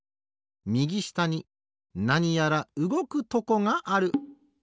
みぎしたになにやらうごくとこがある。